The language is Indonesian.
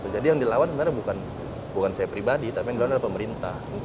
jadi yang dilawan sebenarnya bukan saya pribadi tapi yang dilawan adalah pemerintah